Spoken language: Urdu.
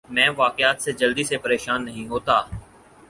میں واقعات سے جلدی سے پریشان نہیں ہوتا